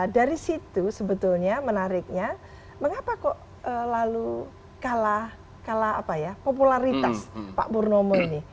dari situ sebetulnya menariknya mengapa kok lalu kalah popularitas pak purnomo ini